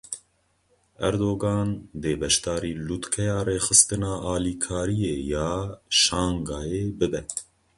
Erdogan dê beşdarî Lûtkeya Rêxistina Alîkariyê ya Şangayê bibe.